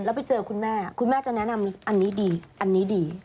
แล้วไปเจอคุณแม่คุณแม่จะแนะนำอันนี้ดีอันนี้ดี